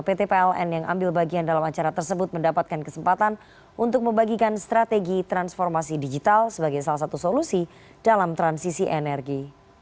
pt pln yang ambil bagian dalam acara tersebut mendapatkan kesempatan untuk membagikan strategi transformasi digital sebagai salah satu solusi dalam transisi energi